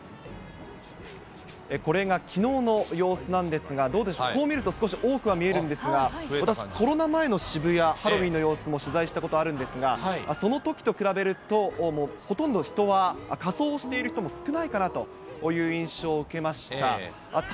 これがきのうの様子なんですが、どうでしょう、こう見ると少し多くは見えるんですが、私、コロナ前の渋谷、ハロウィーンの様子を取材したことがあるんですが、そのときと比べると、ほとんど人は仮装している人も少ないかなという印象を受けました。